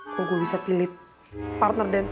yang gue bisa pilih partner dance